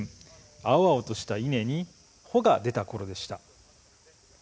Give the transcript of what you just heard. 青々とした稲に穂が出たころでした。